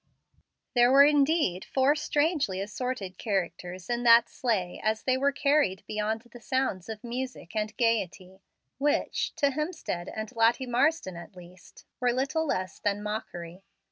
There were indeed four strangely assorted characters in that sleigh as they were carried beyond the sounds of music and gayety, which, to Hemstead and Lottie Marsden at least, were little less than mockery.